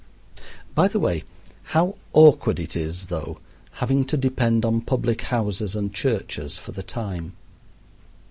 By the way, how awkward it is, though, having to depend on public houses and churches for the time.